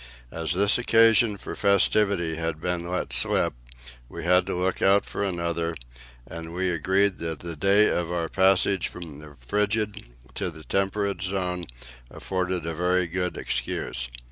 As this occasion for festivity had been let slip, we had to look out for another, and we agreed that the day of our passage from the frigid to the temperate zone afforded a very good excuse.